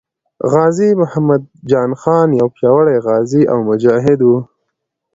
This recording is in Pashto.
غازي محمد جان خان یو پیاوړی غازي او مجاهد وو.